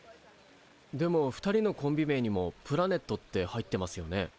でも２人のコンビ名にも「プラネット」って入ってますよね？